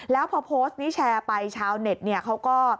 แล้วพอโพสต์นี้แชร์ไปชาวเน็ตเนี่ยเขาก็